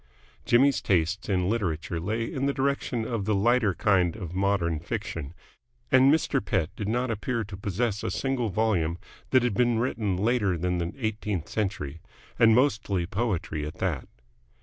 Jimmy's tastes in literature lay in the direction of the lighter kind of modern fiction, and Mr. Pett did not appear to possess a single volume that had been written later than the eighteenth century and mostly poetry at that.